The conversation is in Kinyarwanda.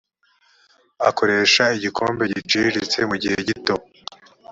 akoresha igikombe giciriritse mu igihe gito .